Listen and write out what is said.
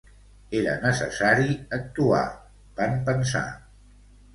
Era necessari actuar, van pensar.